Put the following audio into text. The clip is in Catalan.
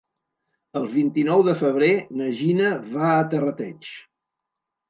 El vint-i-nou de febrer na Gina va a Terrateig.